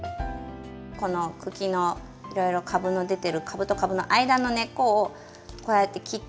この茎のいろいろ株の出てる株と株の間の根っこをこうやって切ってく。